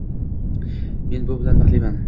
Men bu bilan baxtliman.